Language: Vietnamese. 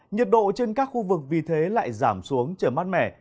nhiệt độ trên các khu vực vì thế lại giảm xuống trở mát mẻ